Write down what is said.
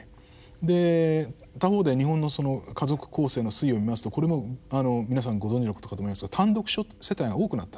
で他方で日本の家族構成の推移を見ますとこれも皆さんご存じのことかと思いますが単独世帯が多くなった。